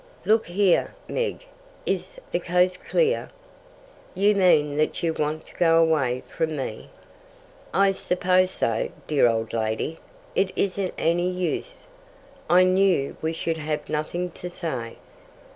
"Look here, Meg, is the coast clear?" "You mean that you want to go away from me?" "I suppose so dear old lady! it isn't any use. I knew we should have nothing to say.